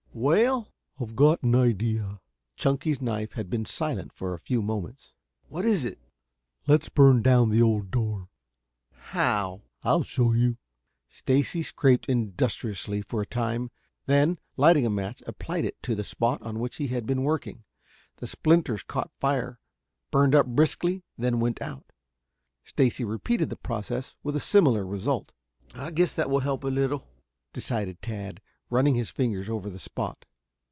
"Well?" "I've got an idea." Chunky's knife had been silent for a few moments. "What is it?" "Let's burn down the old door." "How!" "I'll show you." Stacy scraped industriously for a time, then lighting a match applied it to the spot on which he had been working. The splinters caught fire burned up briskly then went out. Stacy repeated the process with a similar result. "I guess that will help a little," decided Tad, running his fingers over the spot.